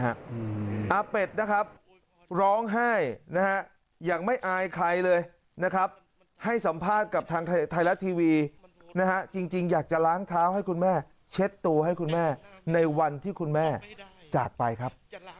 อาเป็ดนะครับร้องไห้นะฮะอย่างไม่อายใครเลยนะครับให้สัมภาษณ์กับทางไทยรัฐทีวีนะฮะจริงอยากจะล้างเท้าให้คุณแม่เช็ดตัวให้คุณแม่ในวันที่คุณแม่จากไปครับ